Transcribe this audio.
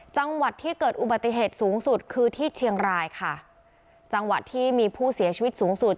จังหวัดที่เกิดอุบัติเหตุสูงสุดคือที่เชียงรายค่ะจังหวัดที่มีผู้เสียชีวิตสูงสุด